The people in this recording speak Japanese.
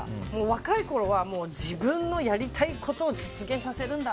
若いころは自分のやりたいことを実現させるんだ！